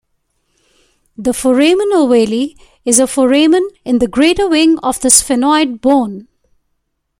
The foramen ovale is a foramen in the greater wing of the sphenoid bone.